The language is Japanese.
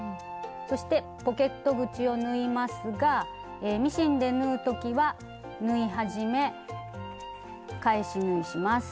そしてポケット口を縫いますがミシンで縫う時は縫い始め返し縫いします。